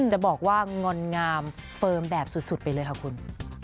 จะบอกว่างอนงามเฟิร์มแบบสุดไปเลยค่ะคุณ